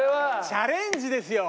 チャレンジですよ。